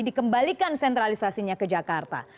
dikembalikan sentralisasinya ke jakarta